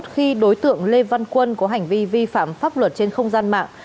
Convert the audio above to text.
khi đối tượng lê văn quân có hành vi vi phạm pháp luật trên không gian mạng